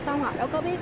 sao họ đâu có biết thật